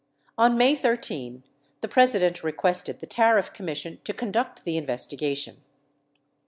On May 13, the President requested the Tariff Commission to conduct the investigation.